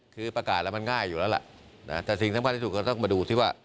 คือประกาศแล้วมันง่ายอยู่แล้วล่ะแต่สิ่งสำคัญที่สุดก็ต้องมาดูที่ว่า